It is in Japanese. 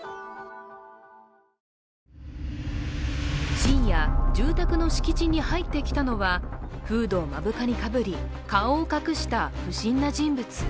深夜、住宅の敷地に入ってきたのはメードを目深にかぶり顔を隠した不審な人物。